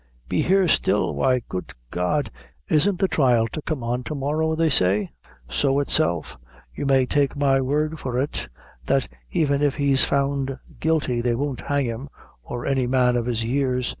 "Be here still! why, good God! isn't the thrial to come on to morrow, they say?" "So itself; you may take my word for it, that even if he's found guilty, they won't hang him, or any man of his years."